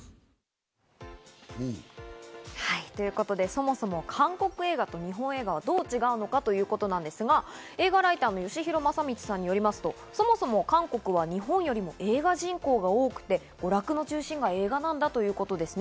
そもそも韓国映画と日本映画はどう違うのかということですが、映画ライターのよしひろまさみちさんによりますと、そもそも韓国は日本よりも映画人口が多くて、娯楽の中心が映画なんだということです。